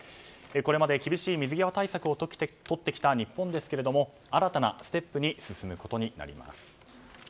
これまで厳しい水際対策をとってきた日本ですが新たなステップに進むことになります。